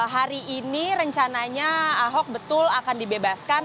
hari ini rencananya ahok betul akan dibebaskan